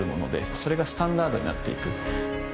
それがスタンダードになって行く。